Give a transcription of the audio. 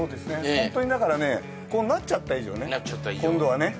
ホントにだからねこうなっちゃった以上ねなっちゃった以上今度はね